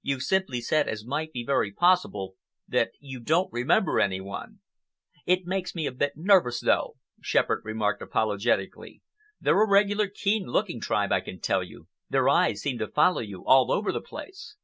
You've simply said, as might be very possible, that you don't remember any one." "It makes me a bit nervous, though," Shepherd remarked apologetically. "They're a regular keen looking tribe, I can tell you. Their eyes seem to follow you all over the place."